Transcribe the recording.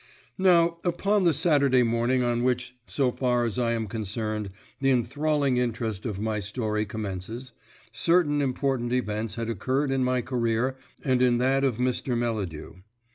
Now, upon the Saturday morning on which, so far as I am concerned, the enthralling interest of my story commences, certain important events had occurred in my career and in that of Mr. Melladew.